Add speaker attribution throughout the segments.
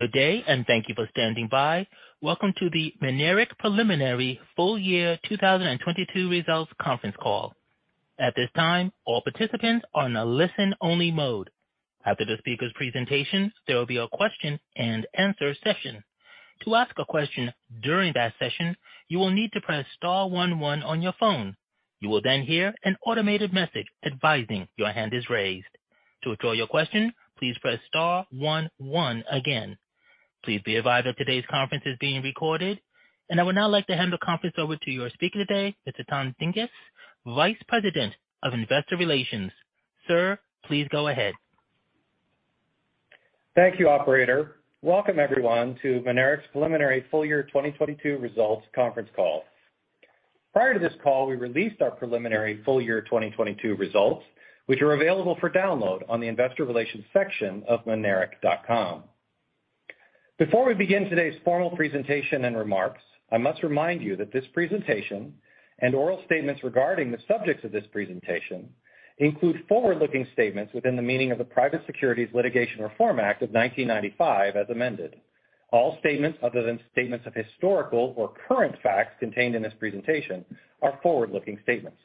Speaker 1: Good day, thank you for standing by. Welcome to the Mynaric preliminary full year 2022 results conference call. At this time, all participants are in a listen-only mode. After the speaker's presentations, there will be a question-and-answer session. To ask a question during that session, you will need to press star one one on your phone. You will hear an automated message advising your hand is raised. To withdraw your question, please press star one one again. Please be advised that today's conference is being recorded. I would now like to hand the conference over to your speaker today, Mr. Tom Dinges, Vice President of investor relations. Sir, please go ahead.
Speaker 2: Thank you, operator. Welcome everyone to Mynaric's preliminary full year 2022 results conference call. Prior to this call, we released our preliminary full year 2022 results, which are available for download on the investor relations section of mynaric.com. Before we begin today's formal presentation and remarks, I must remind you that this presentation and oral statements regarding the subjects of this presentation include forward-looking statements within the meaning of the Private Securities Litigation Reform Act of 1995, as amended. All statements other than statements of historical or current facts contained in this presentation are forward-looking statements.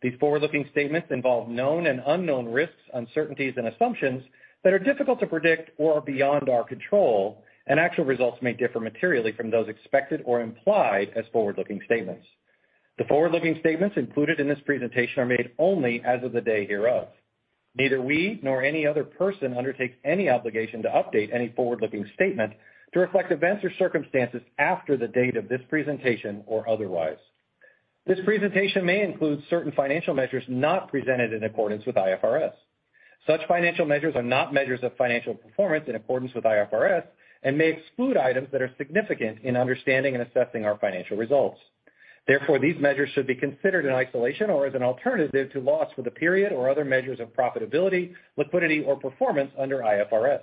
Speaker 2: These forward-looking statements involve known and unknown risks, uncertainties, and assumptions that are difficult to predict or are beyond our control, and actual results may differ materially from those expected or implied as forward-looking statements. The forward-looking statements included in this presentation are made only as of the day hereof. Neither we nor any other person undertakes any obligation to update any forward-looking statement to reflect events or circumstances after the date of this presentation or otherwise. This presentation may include certain financial measures not presented in accordance with IFRS. Such financial measures are not measures of financial performance in accordance with IFRS and may exclude items that are significant in understanding and assessing our financial results. Therefore, these measures should be considered in isolation or as an alternative to loss for the period or other measures of profitability, liquidity, or performance under IFRS.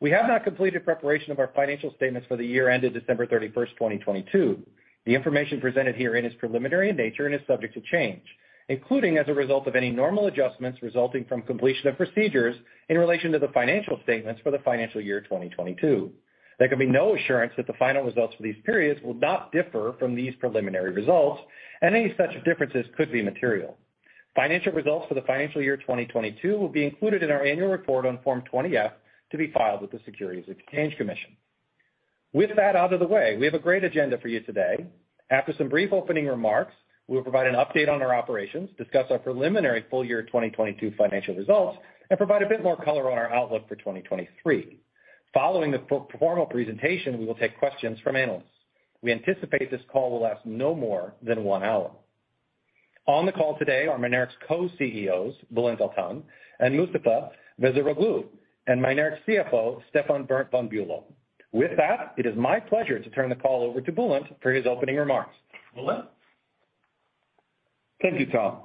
Speaker 2: We have not completed preparation of our financial statements for the year ended December 31st, 2022. The information presented herein is preliminary in nature and is subject to change, including as a result of any normal adjustments resulting from completion of procedures in relation to the financial statements for the financial year 2022. There can be no assurance that the final results for these periods will not differ from these preliminary results, and any such differences could be material. Financial results for the financial year 2022 will be included in our annual report on Form 20-F to be filed with the Securities and Exchange Commission. With that out of the way, we have a great agenda for you today. After some brief opening remarks, we will provide an update on our operations, discuss our preliminary full year 2022 financial results, and provide a bit more color on our outlook for 2023. Following the formal presentation, we will take questions from analysts. We anticipate this call will last no more than one hour. On the call today are Mynaric's Co-CEOs, Bulent Altan and Mustafa Veziroglu, and Mynaric's CFO, Stefan Berndt‑von Bülow. With that, it is my pleasure to turn the call over to Bulent for his opening remarks. Bulent?
Speaker 3: Thank you, Tom.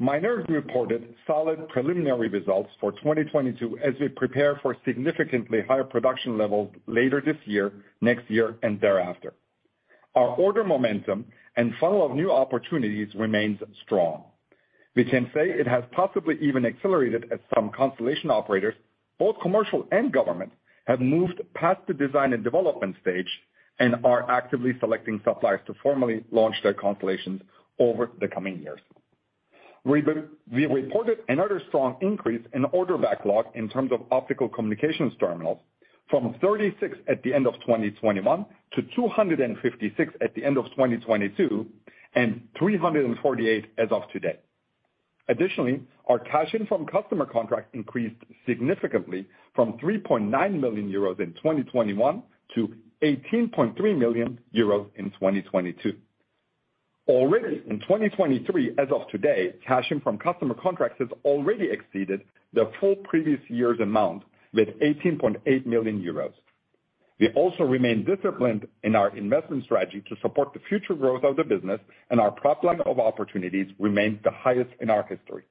Speaker 3: Mynaric reported solid preliminary results for 2022 as we prepare for significantly higher production levels later this year, next year, and thereafter. Our order momentum and funnel of new opportunities remains strong. We can say it has possibly even accelerated as some constellation operators, both commercial and government, have moved past the design and development stage and are actively selecting suppliers to formally launch their constellations over the coming years. We reported another strong increase in order backlog in terms of optical communications terminals from 36 at the end of 2021 to 256 at the end of 2022 and 348 as of today. Our cash in from customer contract increased significantly from 3.9 million euros in 2021 to 18.3 million euros in 2022. Already in 2023, as of today, cash in from customer contracts has already exceeded the full previous year's amount with 18.8 million euros. We also remain disciplined in our investment strategy to support the future growth of the business, and our pipeline of opportunities remains the highest in our history.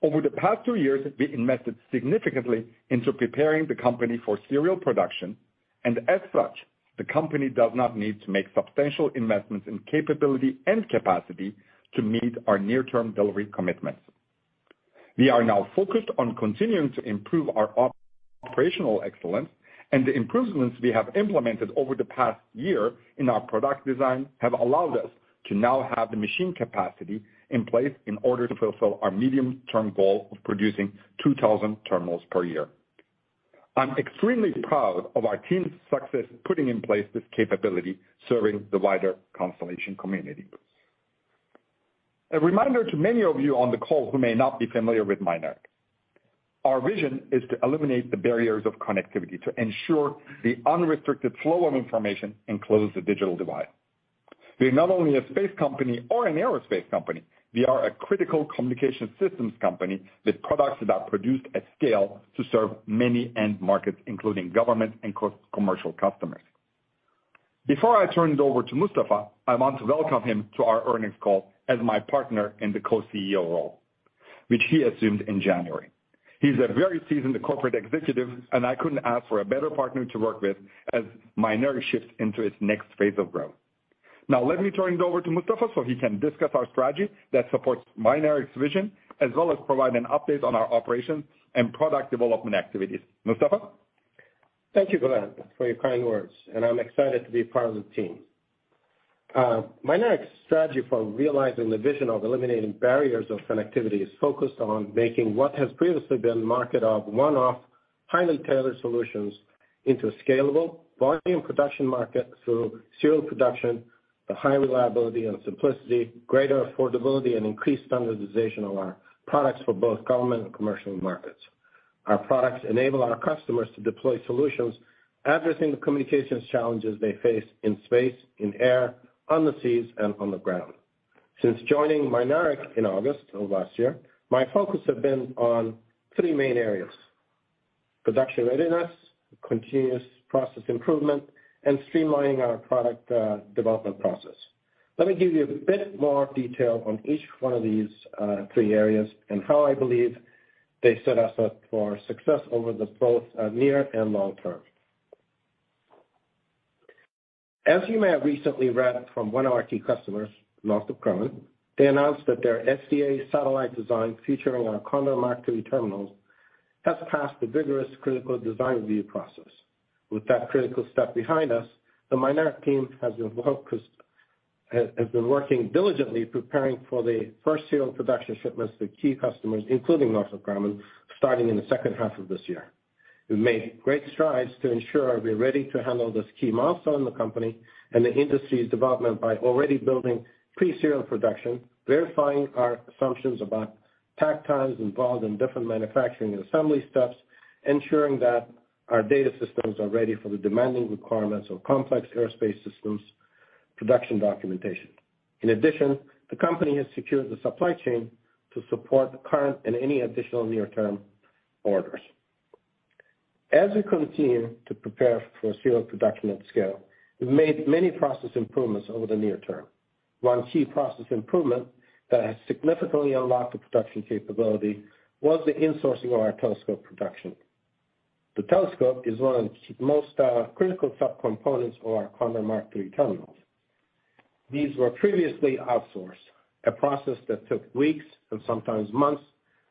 Speaker 3: Over the past two years, we invested significantly into preparing the company for serial production, and as such, the company does not need to make substantial investments in capability and capacity to meet our near-term delivery commitments. We are now focused on continuing to improve our operational excellence, and the improvements we have implemented over the past year in our product design have allowed us to now have the machine capacity in place in order to fulfill our medium-term goal of producing 2,000 terminals per year. I'm extremely proud of our team's success putting in place this capability serving the wider constellation community. A reminder to many of you on the call who may not be familiar with Mynaric. Our vision is to eliminate the barriers of connectivity to ensure the unrestricted flow of information and close the digital divide. We're not only a space company or an aerospace company, we are a critical communication systems company with products that are produced at scale to serve many end markets, including government and commercial customers. Before I turn it over to Mustafa, I want to welcome him to our earnings call as my partner in the co-CEO role, which he assumed in January. He's a very seasoned corporate executive, I couldn't ask for a better partner to work with as Mynaric shifts into its next phase of growth. Let me turn it over to Mustafa so he can discuss our strategy that supports Mynaric's vision, as well as provide an update on our operations and product development activities. Mustafa?
Speaker 4: Thank you, Bulent, for your kind words, and I'm excited to be part of the team. Mynaric's strategy for realizing the vision of eliminating barriers of connectivity is focused on making what has previously been market of one-off, highly tailored solutions into a scalable volume production market through serial production, a high reliability and simplicity, greater affordability, and increased standardization of our products for both government and commercial markets. Our products enable our customers to deploy solutions addressing the communications challenges they face in space, in air, on the seas and on the ground. Since joining Mynaric in August of last year, my focus have been on three main areas: production readiness, continuous process improvement, and streamlining our product development process. Let me give you a bit more detail on each one of these three areas and how I believe they set us up for success over the both near and long term. As you may have recently read from one of our key customers, Northrop Grumman, they announced that their SDA satellite design, featuring our CONDOR Mark III terminals, has passed the vigorous critical design review process. With that critical step behind us, the Mynaric team has been working diligently preparing for the first year of production shipments to key customers, including Northrop Grumman, starting in the second half of this year. We've made great strides to ensure we're ready to handle this key milestone in the company and the industry's development by already building pre-serial production, verifying our assumptions about takt times involved in different manufacturing and assembly steps, ensuring that our data systems are ready for the demanding requirements of complex aerospace systems production documentation. The company has secured the supply chain to support the current and any additional near-term orders. As we continue to prepare for serial production at scale, we've made many process improvements over the near term. One key process improvement that has significantly unlocked the production capability was the insourcing of our telescope production. The telescope is one of the most critical subcomponents of our CONDOR Mk3 terminals. These were previously outsourced, a process that took weeks and sometimes months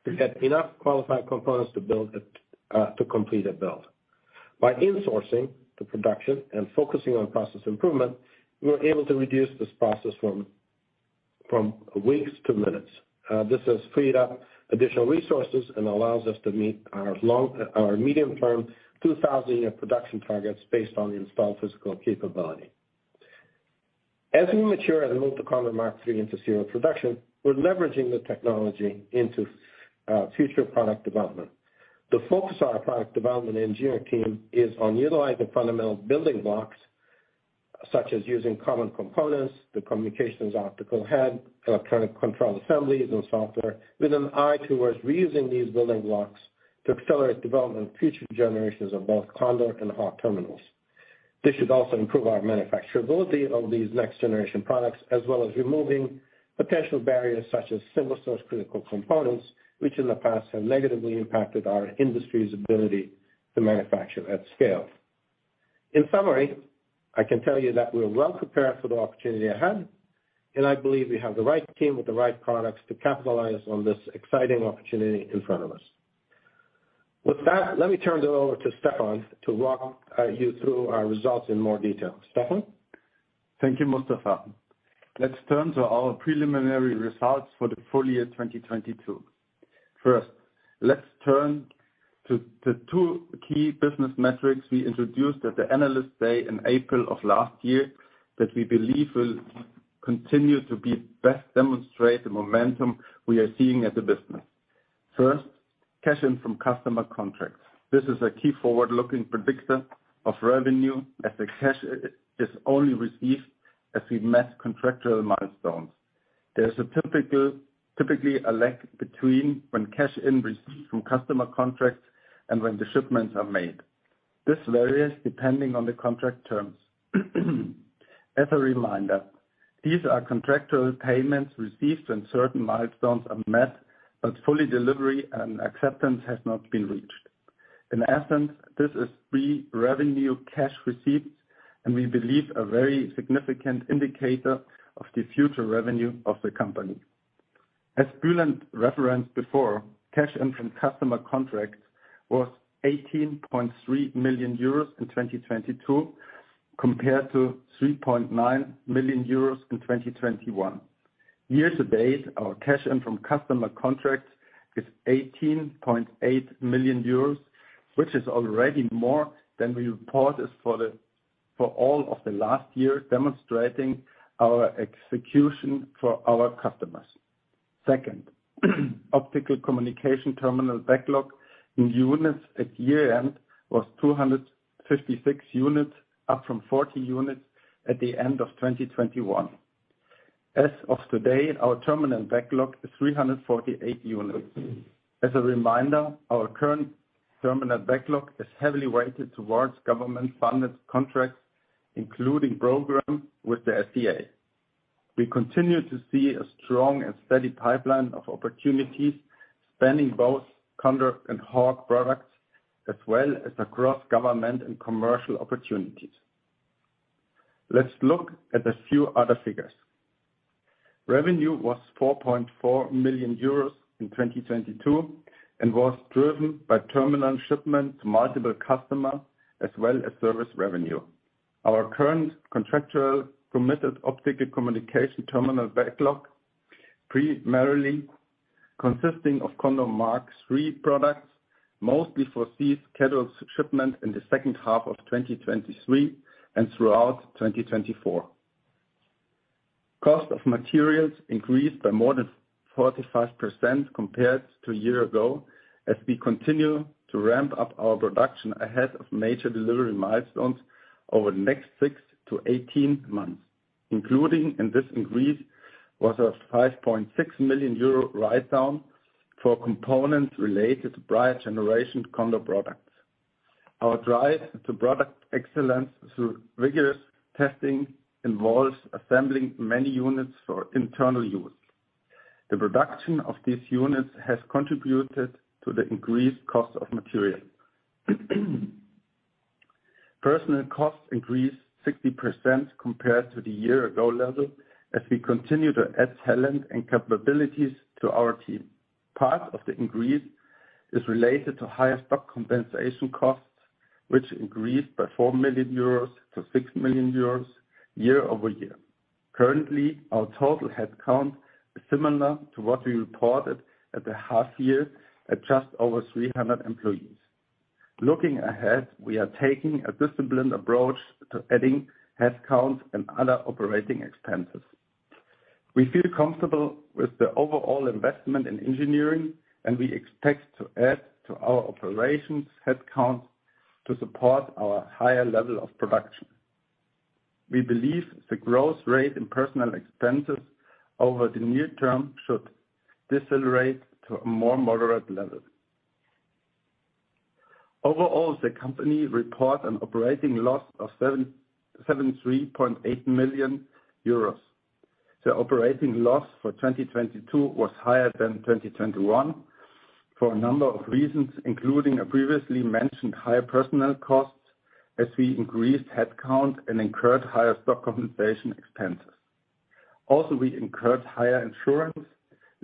Speaker 4: to get enough qualified components to complete a build. By insourcing the production and focusing on process improvement, we were able to reduce this process from weeks to minutes. This has freed up additional resources and allows us to meet our medium-term 2,000 unit production targets based on the installed physical capability. As we mature and move the CONDOR Mk3 into serial production, we're leveraging the technology into future product development. The focus on our product development engineering team is on utilizing fundamental building blocks, such as using common components, the optical head, electronic control assembly, and software, with an eye towards reusing these building blocks to accelerate development of future generations of both CONDOR and HAWK terminals. This should also improve our manufacturability of these next-generation products, as well as removing potential barriers such as single-source critical components, which in the past have negatively impacted our industry's ability to manufacture at scale. In summary, I can tell you that we're well prepared for the opportunity ahead, and I believe we have the right team with the right products to capitalize on this exciting opportunity in front of us. With that, let me turn it over to Stefan to walk you through our results in more detail. Stefan?
Speaker 5: Thank you, Mustafa. Let's turn to our preliminary results for the full year 2022. First, let's turn to two key business metrics we introduced at the Analyst Day in April of last year that we believe will continue to be best demonstrate the momentum we are seeing as a business. First, cash in from customer contracts. This is a key forward-looking predictor of revenue as the cash is only received as we met contractual milestones. There's typically a lag between when cash in received from customer contracts and when the shipments are made. This varies depending on the contract terms. As a reminder, these are contractual payments received when certain milestones are met, but fully delivery and acceptance has not been reached. In essence, this is pre-revenue cash received, and we believe a very significant indicator of the future revenue of the company. As Bulent referenced before, cash in from customer contracts was 18.3 million euros in 2022, compared to 3.9 million euros in 2021. Year to date, our cash in from customer contracts is 18.8 million euros, which is already more than we reported for all of the last year, demonstrating our execution for our customers. Second, optical communications terminal backlog in units at year-end was 256 units, up from 40 units at the end of 2021. As of today, our terminal backlog is 348 units. As a reminder, our current terminal backlog is heavily weighted towards government-funded contracts, including programs with the FCA. We continue to see a strong and steady pipeline of opportunities spanning both CONDOR and HAWK products, as well as across government and commercial opportunities. Let's look at a few other figures. Revenue was 4.4 million euros in 2022, was driven by terminal shipments to multiple customers, as well as service revenue. Our current contractual permitted optical communications terminal backlog, primarily consisting of CONDOR Mk3 products, mostly foresees scheduled shipment in the second half of 2023 and throughout 2024. Cost of materials increased by more than 45% compared to a year ago, as we continue to ramp up our production ahead of major delivery milestones over the next six to 18 months. Including in this increase was a 5.6 million euro write-down for components related to prior generation CONDOR products. Our drive to product excellence through rigorous testing involves assembling many units for internal use. The production of these units has contributed to the increased cost of materials. Personnel costs increased 60% compared to the year-ago level as we continue to add talent and capabilities to our team. Part of the increase is related to higher stock compensation costs, which increased by 4 million euros to 6 million euros year-over-year. Currently, our total head count is similar to what we reported at the half year at just over 300 employees. Looking ahead, we are taking a disciplined approach to adding head counts and other operating expenses. We feel comfortable with the overall investment in engineering. We expect to add to our operations head count to support our higher level of production. We believe the growth rate in personnel expenses over the near term should decelerate to a more moderate level. Overall, the company report an operating loss of 73.8 million euros. The operating loss for 2022 was higher than 2021 for a number of reasons, including a previously mentioned higher personnel costs as we increased head count and incurred higher stock compensation expenses. We incurred higher insurance,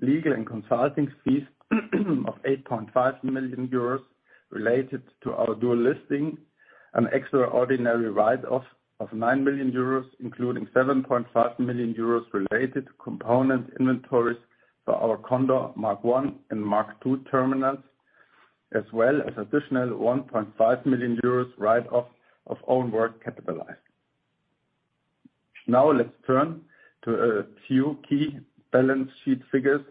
Speaker 5: legal, and consulting fees of 8.5 million euros related to our dual listing, an extraordinary write-off of 9 million euros, including 7.5 million euros related to component inventories for our CONDOR Mk1 and Mk2 terminals, as well as additional 1.5 million euros write-off of own work capitalized. Let's turn to a few key balance sheet figures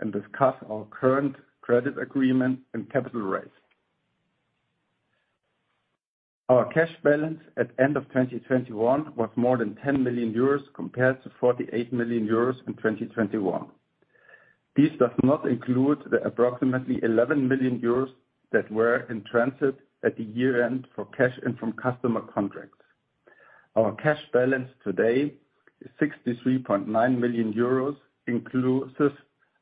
Speaker 5: and discuss our current credit agreement and capital raise. Our cash balance at end of 2021 was more than 10 million euros compared to 48 million euros in 2021. This does not include the approximately 11 million euros that were in transit at the year-end for cash and from customer contracts. Our cash balance today is 63.9 million euros, inclusive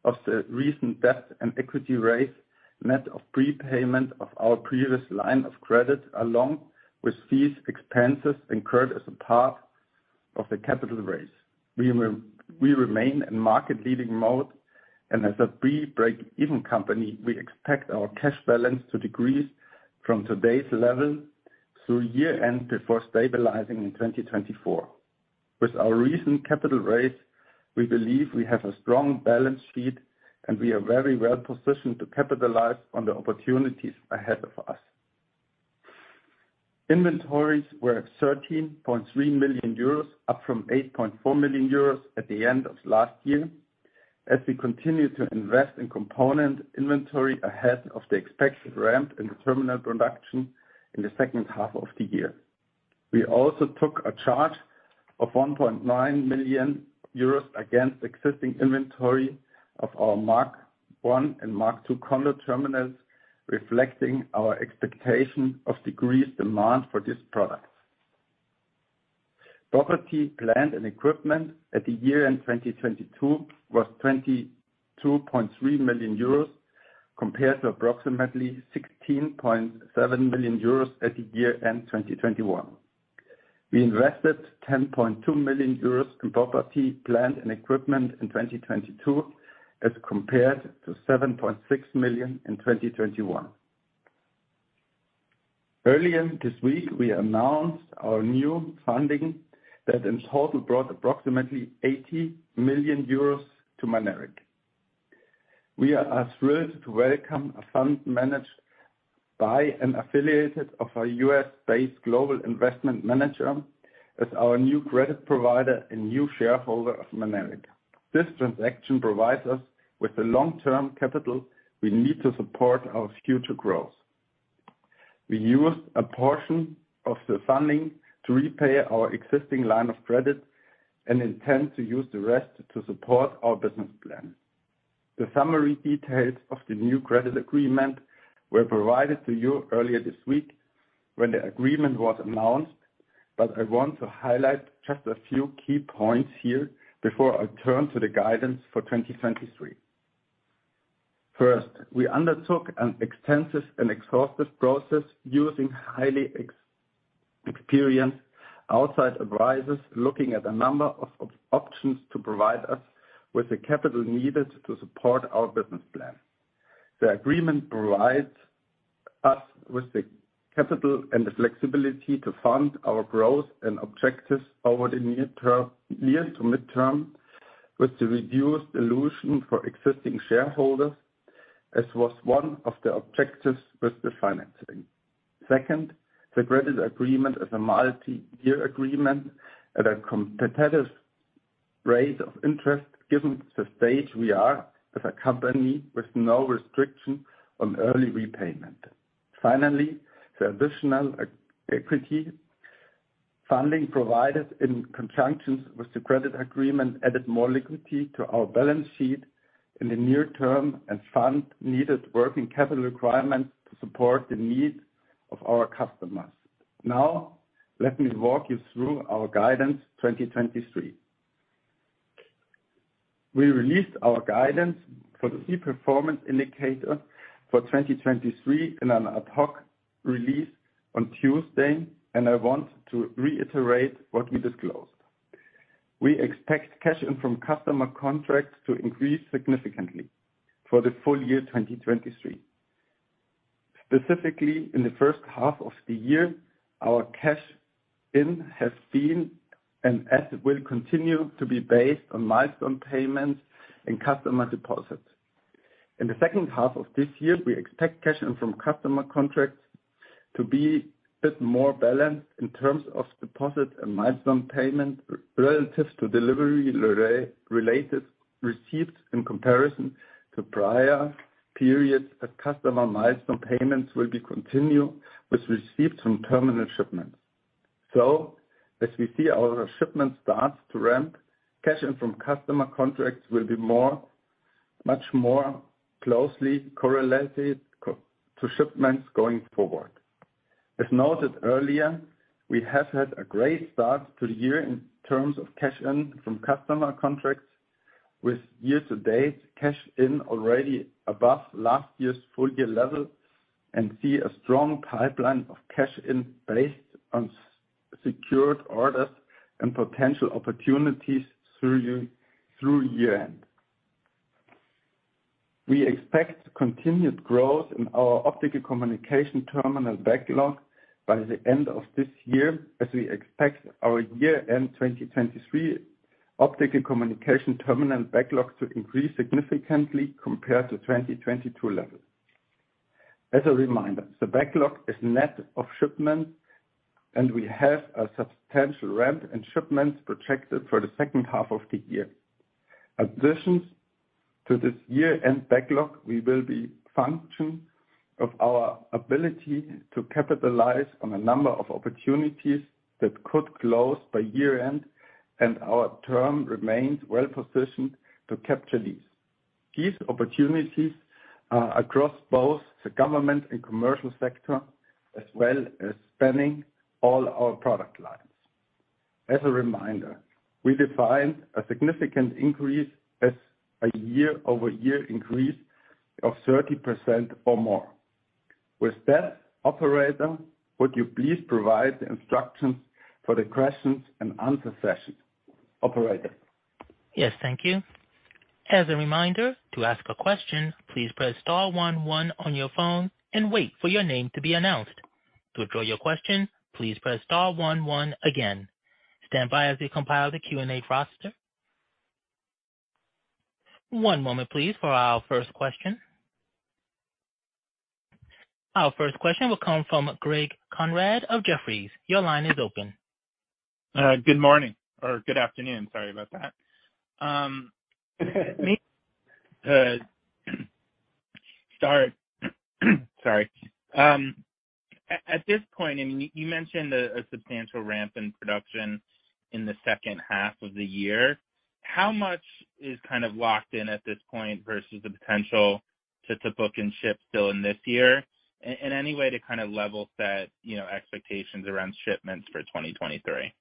Speaker 5: of the recent debt and equity raise, net of prepayment of our previous line of credit, along with fees, expenses incurred as a part of the capital raise. We remain in market leading mode. As a pre-break-even company, we expect our cash balance to decrease from today's level through year-end before stabilizing in 2024. With our recent capital raise, we believe we have a strong balance sheet. We are very well positioned to capitalize on the opportunities ahead of us. Inventories were at 13.3 million euros, up from 8.4 million euros at the end of last year, as we continue to invest in component inventory ahead of the expected ramp in the terminal production in the second half of the year. We also took a charge of 1.9 million euros against existing inventory of our CONDOR Mk1 and CONDOR Mk2 terminals, reflecting our expectation of decreased demand for these products. Property, plant, and equipment at the year-end 2022 was 22.3 million euros compared to approximately 16.7 million euros at the year-end 2021. We invested 10.2 million euros in property, plant, and equipment in 2022 as compared to 7.6 million in 2021. Earlier this week, we announced our new funding that in total brought approximately 80 million euros to Mynaric. We are thrilled to welcome a fund managed by an affiliate of a U.S.-based global investment manager as our new credit provider and new shareholder of Mynaric. This transaction provides us with the long-term capital we need to support our future growth. We used a portion of the funding to repay our existing line of credit and intend to use the rest to support our business plan. I want to highlight just a few key points here before I turn to the guidance for 2023. First, we undertook an extensive and exhaustive process using highly experienced outside advisors, looking at a number of options to provide us with the capital needed to support our business plan. The agreement provides us with the capital and the flexibility to fund our growth and objectives over the near term, near to mid-term, with the reduced dilution for existing shareholders, as was one of the objectives with the financing. Second, the credit agreement is a multi-year agreement at a competitive rate of interest given the stage we are as a company with no restriction on early repayment. Finally, the additional equity funding provided in conjunction with the credit agreement added more liquidity to our balance sheet in the near term and fund needed working capital requirements to support the needs of our customers. Let me walk you through our guidance 2023. We released our guidance for the key performance indicator for 2023 in an ad hoc release on Tuesday, and I want to reiterate what we disclosed. We expect cash in from customer contracts to increase significantly for the full year 2023. Specifically, in the first half of the year, our cash in has been and as it will continue to be based on milestone payments and customer deposits. In the second half of this year, we expect cash in from customer contracts to be a bit more balanced in terms of deposit and milestone payment relative to delivery-related receipts in comparison to prior periods as customer milestone payments will be continued with receipts from terminal shipments. As we see our shipment starts to ramp, cash in from customer contracts will be more, much more closely correlated to shipments going forward. As noted earlier, we have had a great start to the year in terms of cash in from customer contracts with year-to-date cash in already above last year's full year level and see a strong pipeline of cash in based on secured orders and potential opportunities through year-end. We expect continued growth in our optical communications terminal backlog by the end of this year as we expect our year-end 2023 optical communications terminal backlog to increase significantly compared to 2022 levels. As a reminder, the backlog is net of shipments, and we have a substantial ramp in shipments projected for the second half of the year. Addition to this year-end backlog, we will be function of our ability to capitalize on a number of opportunities that could close by year-end, and our term remains well-positioned to capture these. These opportunities are across both the government and commercial sector, as well as spanning all our product lines. As a reminder, we define a significant increase as a year-over-year increase of 30% or more. With that, operator, would you please provide the instructions for the questions and answer session. Operator?
Speaker 1: Yes, thank you. As a reminder, to ask a question, please press star one one on your phone and wait for your name to be announced. To withdraw your question, please press star one one again. Stand by as we compile the Q&A roster. One moment, please, for our first question. Our first question will come from Greg Konrad of Jefferies. Your line is open.
Speaker 6: Good morning or good afternoon. Sorry about that. At this point in, you mentioned a substantial ramp in production in the second half of the year. How much is kind of locked in at this point versus the potential to book and ship still in this year? Any way to kind of level set, you know, expectations around shipments for 2023?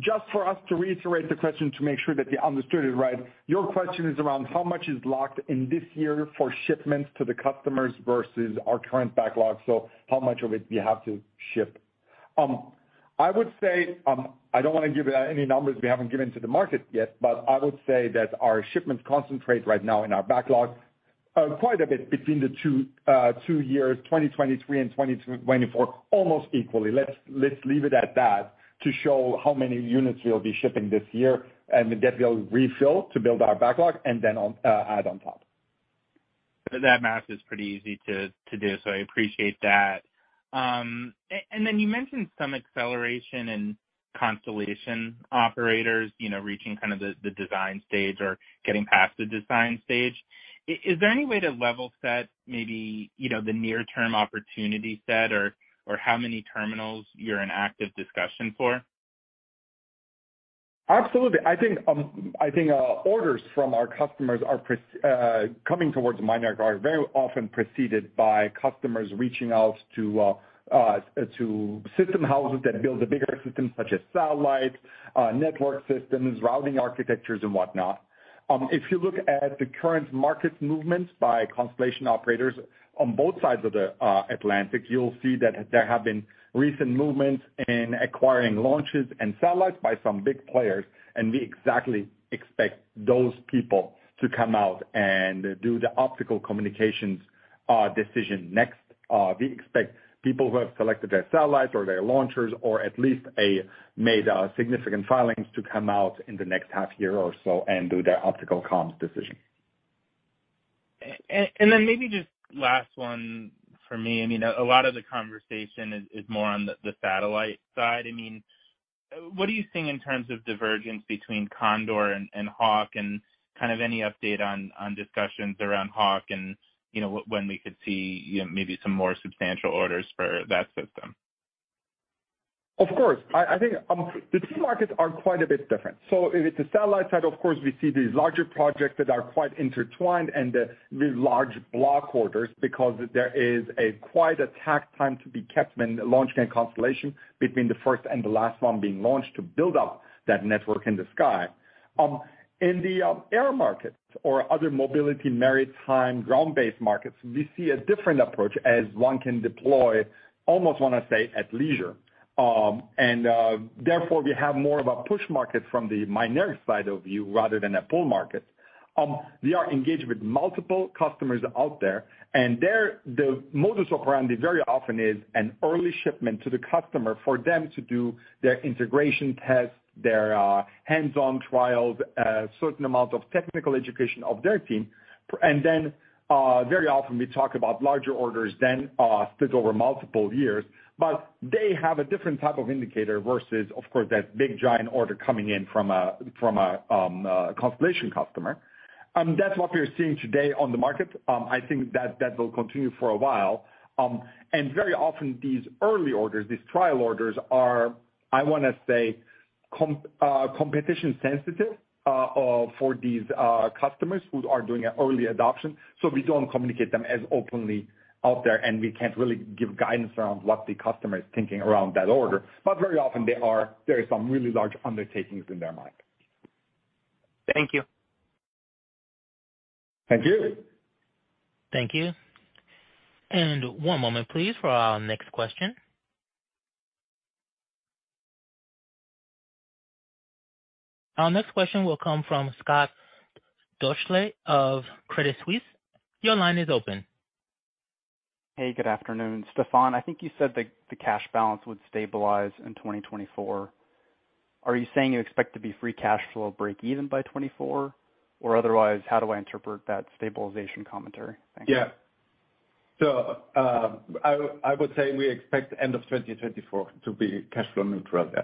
Speaker 5: Just for us to reiterate the question to make sure that I understood it right. Your question is around how much is locked in this year for shipments to the customers versus our current backlog. How much of it we have to ship. I would say, I don't wanna give any numbers we haven't given to the market yet, but I would say that our shipments concentrate right now in our backlog, quite a bit between the two years, 2023 and 2024, almost equally. Let's leave it at that to show how many units we'll be shipping this year and that we'll refill to build our backlog and then on add on top.
Speaker 6: That math is pretty easy to do, so I appreciate that. Then you mentioned some acceleration in constellation operators, you know, reaching kind of the design stage or getting past the design stage. Is there any way to level set maybe, you know, the near term opportunity set or how many terminals you're in active discussion for?
Speaker 3: Absolutely. I think orders from our customers coming towards Mynaric are very often preceded by customers reaching out to system houses that build a bigger system such as satellite network systems, routing architectures and whatnot. If you look at the current market movements by constellation operators on both sides of the Atlantic, you'll see that there have been recent movements in acquiring launches and satellites by some big players. We exactly expect those people to come out and do the optical communications decision next. We expect people who have selected their satellites or their launchers or at least significant filings to come out in the next half year or so and do their optical comms decision.
Speaker 6: Then maybe just last one for me. I mean, a lot of the conversation is more on the satellite side. I mean, what are you seeing in terms of divergence between CONDOR and HAWK and kind of any update on discussions around HAWK and, you know, when we could see, you know, maybe some more substantial orders for that system?
Speaker 3: Of course. I think, the two markets are quite a bit different. If it's a satellite side, of course we see these larger projects that are quite intertwined and these large block orders because there is a quite a takt time to be kept when launching a constellation between the first and the last one being launched to build up that network in the sky. In the air markets or other mobility, maritime, ground-based markets, we see a different approach as one can deploy, almost wanna say at leisure. Therefore we have more of a push market from the Mynaric side of view rather than a pull market. We are engaged with multiple customers out there, and there, the modus operandi very often is an early shipment to the customer for them to do their integration tests, their hands-on trials, certain amount of technical education of their team. And then, very often we talk about larger orders than split over multiple years. They have a different type of indicator versus, of course, that big giant order coming in from a, from a constellation customer. That's what we're seeing today on the market. I think that that will continue for a while. Very often these early orders, these trial orders are, I wanna say, competition sensitive for these customers who are doing an early adoption. We don't communicate them as openly out there, and we can't really give guidance around what the customer is thinking around that order. Very often there are some really large undertakings in their mind.
Speaker 6: Thank you.
Speaker 3: Thank you.
Speaker 1: Thank you. One moment please for our next question. Our next question will come from Scott Deuschle of Credit Suisse. Your line is open.
Speaker 7: Hey, good afternoon. Stefan, I think you said the cash balance would stabilize in 2024. Are you saying you expect to be free cash flow break even by 2024? Otherwise, how do I interpret that stabilization commentary? Thanks.
Speaker 3: Yeah. I would say we expect end of 2024 to be cash flow neutral, yeah.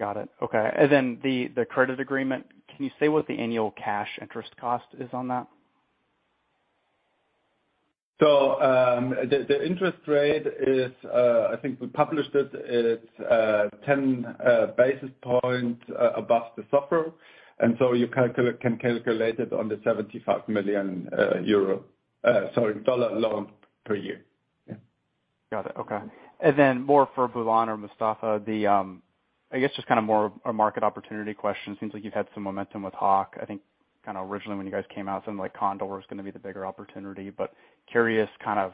Speaker 7: Got it. Okay. Then the credit agreement, can you say what the annual cash interest cost is on that?
Speaker 3: The interest rate is, I think we published it. It's 10 basis points above the SOFR. You can calculate it on the 75 million euro... Sorry, $75 million dollar loan per year.
Speaker 7: Got it. Okay. More for Bulent or Mustafa, the, I guess just kinda more a market opportunity question. Seems like you've had some momentum with HAWK. I think kinda originally when you guys came out, something like CONDOR was gonna be the bigger opportunity, but curious kind of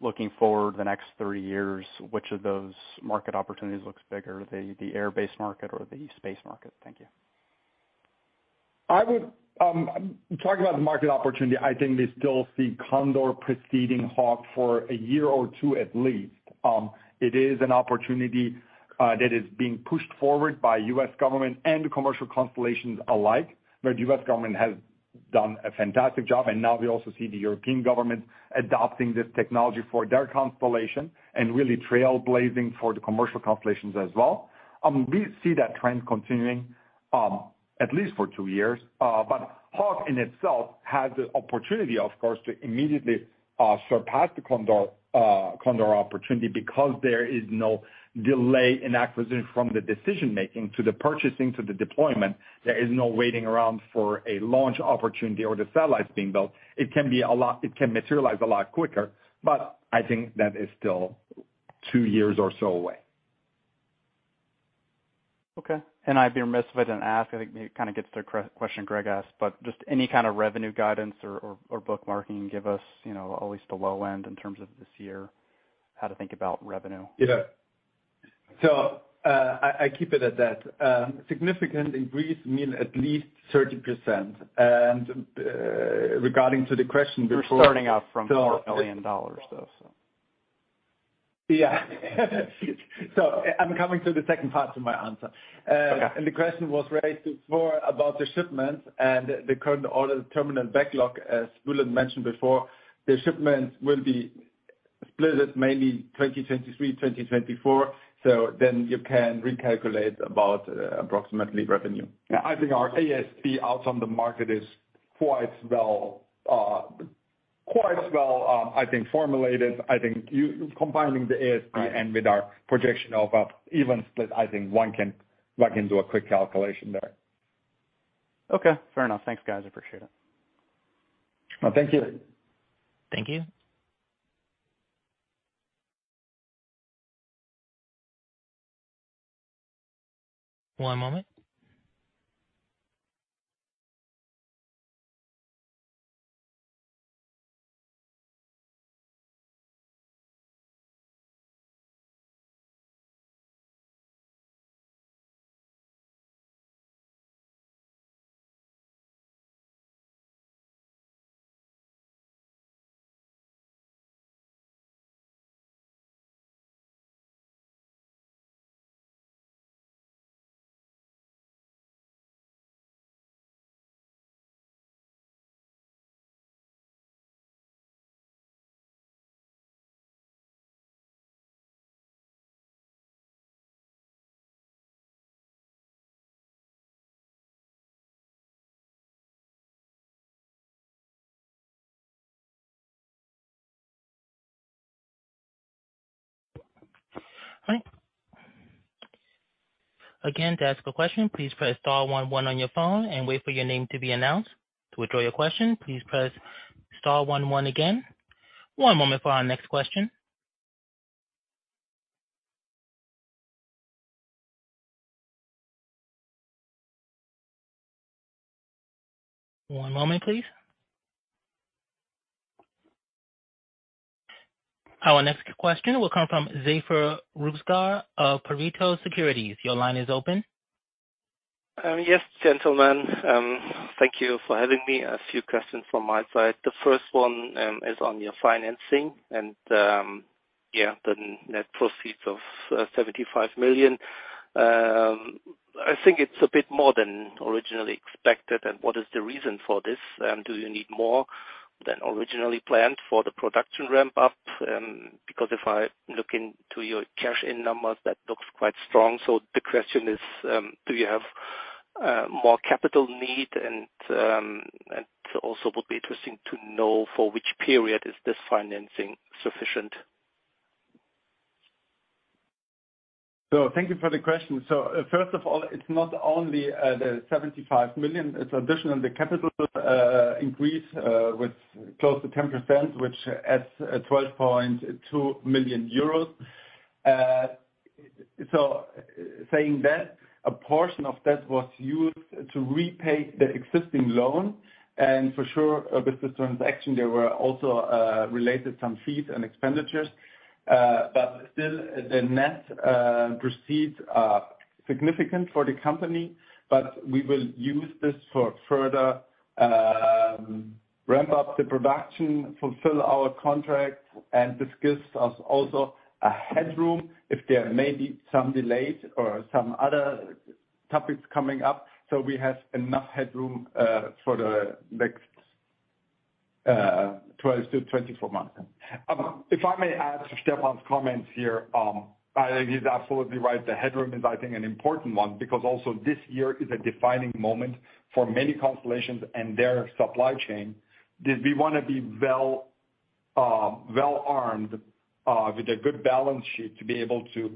Speaker 7: looking forward the next 3 years, which of those market opportunities looks bigger, the air base market or the space market? Thank you.
Speaker 3: I would talk about the market opportunity. I think we still see CONDOR preceding HAWK for a year or two at least. It is an opportunity that is being pushed forward by U.S. government and commercial constellations alike, but U.S. government has done a fantastic job, and now we also see the European government adopting this technology for their constellation and really trailblazing for the commercial constellations as well. We see that trend continuing at least for two years. HAWK in itself has the opportunity, of course, to immediately surpass the CONDOR opportunity because there is no delay in acquisition from the decision-making to the purchasing to the deployment. There is no waiting around for a launch opportunity or the satellites being built. It can materialize a lot quicker. I think that is still two years or so away.
Speaker 7: Okay. I'd be remiss if I didn't ask, I think it kinda gets to the question Greg asked, but just any kind of revenue guidance or bookmarking give us, you know, at least the low end in terms of this year, how to think about revenue.
Speaker 3: Yeah. I keep it at that. Significant increase mean at least 30%. Regarding to the question before.
Speaker 7: You're starting out from $4 million though, so.
Speaker 3: Yeah. I'm coming to the second part of my answer.
Speaker 7: Okay.
Speaker 4: The question was raised before about the shipments and the current order terminal backlog. As Bulent mentioned before, the shipments will be split at mainly 2023, 2024. You can recalculate about approximately revenue. Yeah. I think our ASP out on the market is quite well. Quite well, I think formulated. I think you combining the ASP and with our projection of even split, I think one can do a quick calculation there.
Speaker 7: Okay, fair enough. Thanks, guys, appreciate it.
Speaker 4: No, thank you.
Speaker 1: Thank you. One moment. Again, to ask a question, please press star one one on your phone and wait for your name to be announced. To withdraw your question, please press star one one again. One moment for our next question. One moment, please. Our next question will come from Zafer Rüzgar of Pareto Securities. Your line is open.
Speaker 8: Yes, gentlemen. Thank you for having me. A few questions from my side. The first one is on your financing and, yeah, the net proceeds of $75 million. I think it's a bit more than originally expected, and what is the reason for this? Do you need more than originally planned for the production ramp up? Because if I look into your cash in numbers, that looks quite strong. The question is, do you have more capital need? Also would be interesting to know for which period is this financing sufficient?
Speaker 5: Thank you for the question. First of all, it's not only the $75 million. It's additional the capital increase with close to 10%, which adds 12.2 million euros. Saying that, a portion of that was used to repay the existing loan. For sure with this transaction, there were also related some fees and expenditures. Still the net proceeds are significant for the company, but we will use this for further ramp up the production, fulfill our contracts, and this gives us also a headroom if there may be some delays or some other topics coming up, so we have enough headroom for the next 12-24 months.
Speaker 3: If I may add to Stefan's comments here, I think he's absolutely right. The headroom is, I think, an important one because also this year is a defining moment for many constellations and their supply chain, that we wanna be well, well-armed, with a good balance sheet to be able to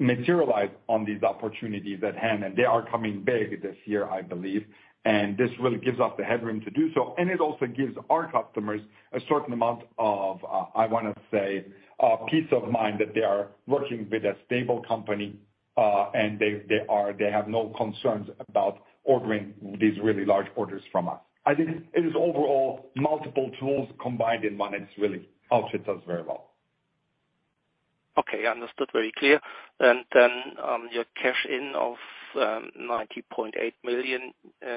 Speaker 3: materialize on these opportunities at hand. They are coming big this year, I believe. This really gives us the headroom to do so, and it also gives our customers a certain amount of, I wanna say, peace of mind that they are working with a stable company, and they have no concerns about ordering these really large orders from us. I think it is overall multiple tools combined in one. It's really helps us very well.
Speaker 8: Okay, understood very clear. Your cash in of 90.8 million,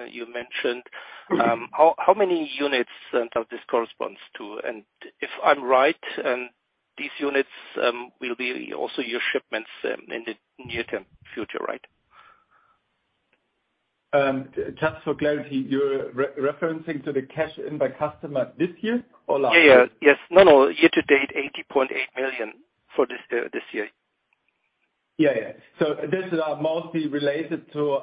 Speaker 8: you mentioned.
Speaker 5: Mm-hmm.
Speaker 8: How many units does this corresponds to? If I'm right, these units, will be also your shipments in the near-term future, right?
Speaker 5: Just for clarity, you're re-referencing to the cash in by customer this year or last year?
Speaker 8: Yeah, yeah. Yes. No, no. Year to date, 80.8 million for this year.
Speaker 5: Yeah, yeah. These are mostly related to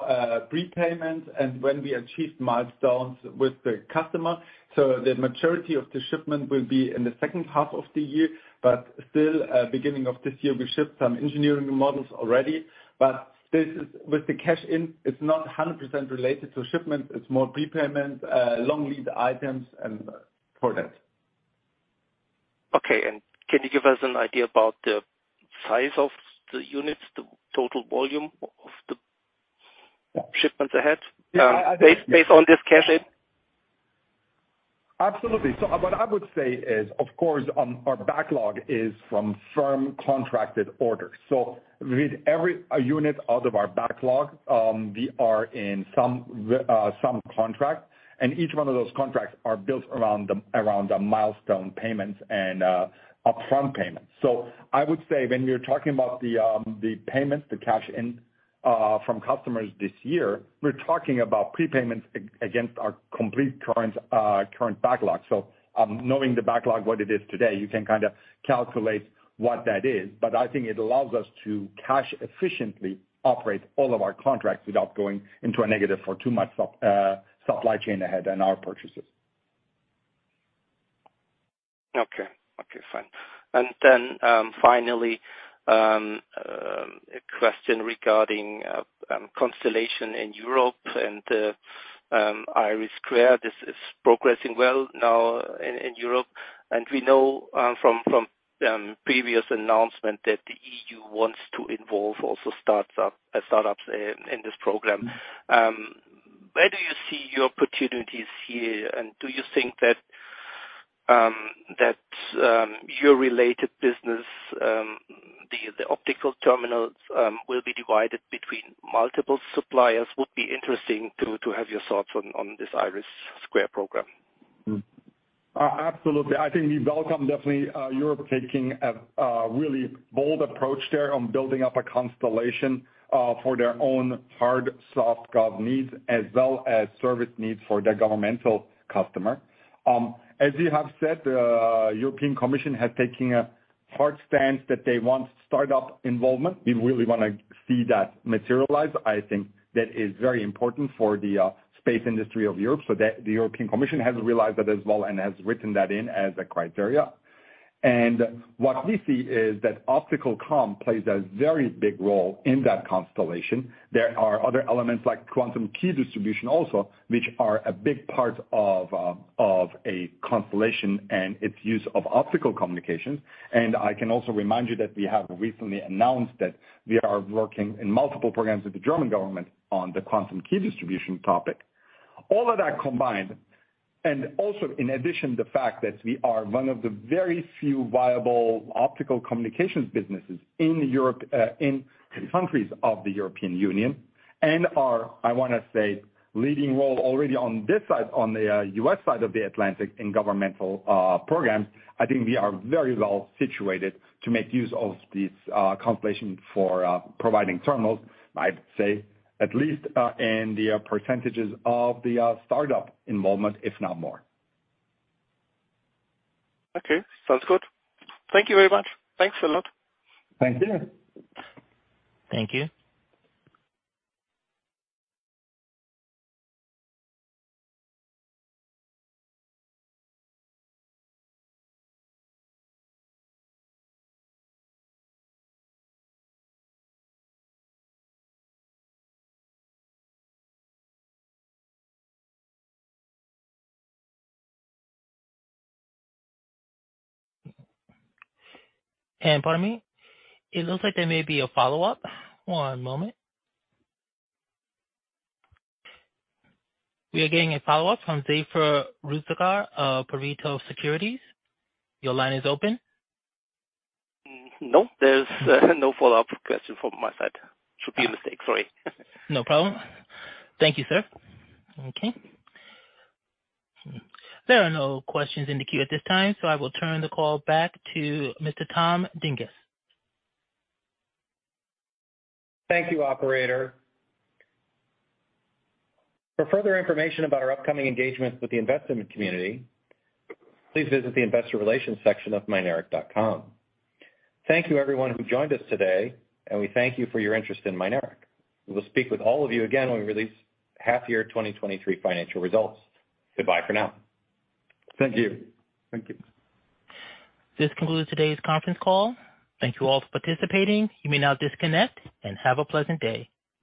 Speaker 5: prepayments and when we achieve milestones with the customer. The maturity of the shipment will be in the second half of the year. Still, beginning of this year we shipped some engineering models already. With the cash in, it's not 100% related to shipment. It's more prepayment, long lead items and products.
Speaker 8: Okay. Can you give us an idea about the size of the units, the total volume?
Speaker 5: Yeah.
Speaker 8: shipments ahead?
Speaker 5: Yeah. I think-
Speaker 8: Based on this cash in.
Speaker 3: Absolutely. What I would say is, of course, our backlog is from firm contracted orders. With every unit out of our backlog, we are in some contract, and each one of those contracts are built around the milestone payments and upfront payments. I would say when we're talking about the payments, the cash in from customers this year, we're talking about prepayments against our complete current backlog. Knowing the backlog what it is today, you can kinda calculate what that is. I think it allows us to cash efficiently operate all of our contracts without going into a negative for too much supply chain ahead and our purchases.
Speaker 8: Okay, fine. Finally, a question regarding constellation in Europe and IRIS². This is progressing well now in Europe. We know from previous announcement that the EU wants to involve also startups in this program. Where do you see your opportunities here? Do you think that your related business, the optical terminals, will be divided between multiple suppliers? Would be interesting to have your thoughts on this IRIS² program.
Speaker 3: Absolutely. I think we welcome definitely Europe taking a really bold approach there on building up a constellation for their own hard soft gov needs as well as service needs for their governmental customer. As you have said, European Commission has taken a hard stance that they want startup involvement. We really wanna see that materialize. I think that is very important for the space industry of Europe. The European Commission has realized that as well and has written that in as a criteria. What we see is that optical comm plays a very big role in that constellation. There are other elements like quantum key distribution also, which are a big part of a constellation and its use of optical communications. I can also remind you that we have recently announced that we are working in multiple programs with the German government on the quantum key distribution topic. All of that combined, and also in addition, the fact that we are one of the very few viable optical communications businesses in Europe, in countries of the European Union, and are, I wanna say, leading role already on this side, on the U.S. side of the Atlantic in governmental programs. I think we are very well situated to make use of these constellation for providing terminals, I'd say, at least, in the percentages of the startup involvement, if not more.
Speaker 8: Okay, sounds good. Thank you very much. Thanks a lot.
Speaker 3: Thank you.
Speaker 1: Thank you. Pardon me. It looks like there may be a follow-up. One moment. We are getting a follow-up from Zafer Rüzgar of Pareto Securities. Your line is open.
Speaker 8: No, there's no follow-up question from my side. Should be a mistake, sorry.
Speaker 1: No problem. Thank you, sir. Okay. There are no questions in the queue at this time, so I will turn the call back to Mr. Tom Dinges.
Speaker 2: Thank you, operator. For further information about our upcoming engagements with the investment community, please visit the investor relations section of mynaric.com. Thank you everyone who joined us today, and we thank you for your interest in Mynaric. We will speak with all of you again when we release half year 2023 financial results. Goodbye for now.
Speaker 3: Thank you.
Speaker 5: Thank you.
Speaker 1: This concludes today's conference call. Thank you all for participating. You may now disconnect and have a pleasant day.